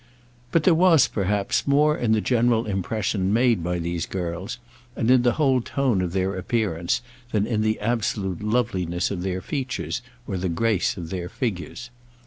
But there was, perhaps, more in the general impression made by these girls, and in the whole tone of their appearance, than in the absolute loveliness of their features or the grace of their figures.